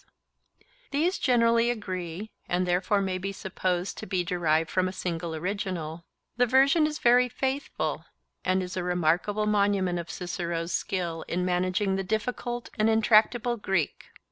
These generally agree, and therefore may be supposed to be derived from a single original. The version is very faithful, and is a remarkable monument of Cicero's skill in managing the difficult and intractable Greek.